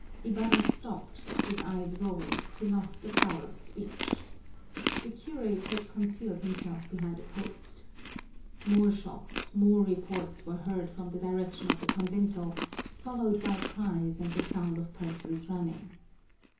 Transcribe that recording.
Ibarra stopped, his eyes rolled, he lost the power of speech. The curate had concealed himself behind a post. More shots, more reports were heard from the direction of the convento, followed by cries and the sound of persons running.